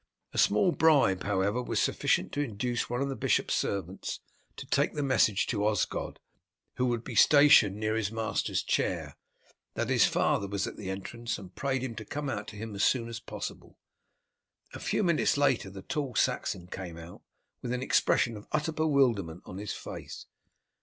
A small bribe, however, was sufficient to induce one of the bishop's servants to take the message to Osgod, who would be stationed near his master's chair, that his father was at the entrance and prayed him to come out to him as soon as possible. A few minutes later the tall Saxon came out with an expression of utter bewilderment on his face.